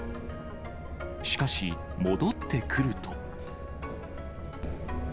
しかし、戻ってくると。